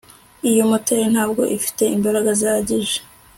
Iyo moteri ntabwo ifite imbaraga zihagije